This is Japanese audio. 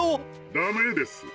☎ダメです。